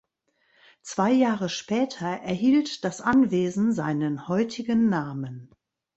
Zwei Jahre später erhielt das Anwesen seinen heutigen Namen.